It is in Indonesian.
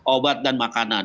obat dan makanan